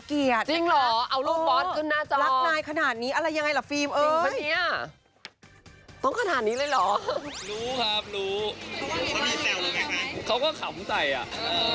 เขาก็ขาวผมใจอะ